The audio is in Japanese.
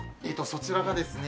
そちらがですね